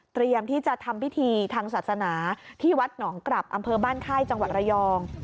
ที่จะทำพิธีทางศาสนาที่วัดหนองกลับอำเภอบ้านค่ายจังหวัดระยอง